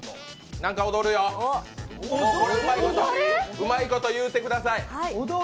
うまいこと言うてください。